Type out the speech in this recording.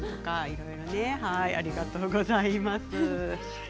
いろいろありがとうございます。